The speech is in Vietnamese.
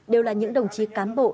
đều là những đồng chí cán bộ